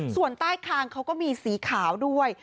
ส่วนใต้คางเขาก็มีสีขาวด้วย